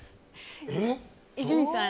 伊集院さん